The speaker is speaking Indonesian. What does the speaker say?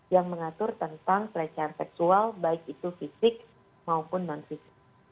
yang mengatur tentang kesejahteraan seksual baik itu fisik maupun manusia